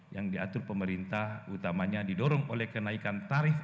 yang diatur pemerintah utamanya didorong oleh kenaikan tarif